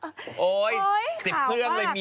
ปล่อยให้เบลล่าว่าง